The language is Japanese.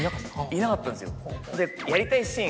いなかったんですよ。